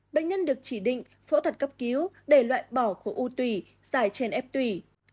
bệnh nhân được chỉ định phẫu thuật cấp cứu để loại bỏ khối u tùy dài trên ép tùy